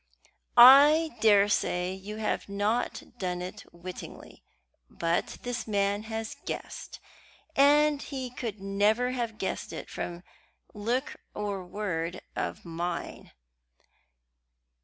"I daresay you have not done it wittingly; but this man has guessed, and he could never have guessed it from look or word of mine."